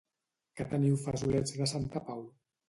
Que teniu fesolets de Santa Pau?